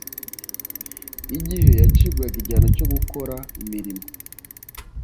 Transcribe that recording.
Igihe yacibwaga igihano cyo gukora imirimo